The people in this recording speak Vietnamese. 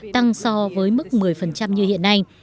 tăng so với mức một mươi như hiện nay